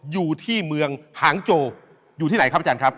อยู่ที่เมืองหางโจอยู่ที่ไหนครับอาจารย์ครับ